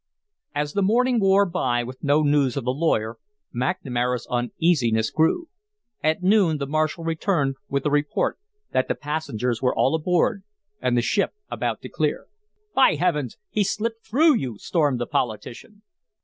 As the morning wore by with no news of the lawyer, McNamara's uneasiness grew. At noon the marshal returned with a report that the passengers were all aboard and the ship about to clear. "By Heavens! He's slipped through you," stormed the politician.